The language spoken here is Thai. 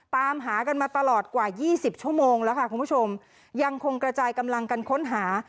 ตามหากันมาตลอดกว่ายี่สิบชั่วโมงแล้วค่ะคุณผู้ชมยังคงกระจายกำลังกันค้นหา